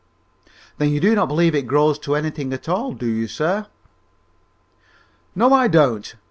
"Then you do not believe it grows to anything at all, do you, sir?" "No, I don't.